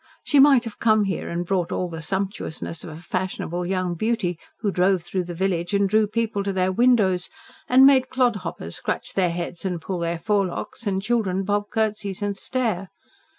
She might have come here and brought all the sumptuousness of a fashionable young beauty, who drove through the village and drew people to their windows, and made clodhoppers scratch their heads and pull their forelocks, and children bob curtsies and stare.